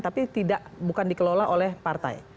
tapi bukan dikelola oleh partai